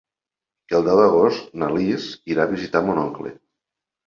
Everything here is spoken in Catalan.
El deu d'agost na Lis irà a visitar mon oncle.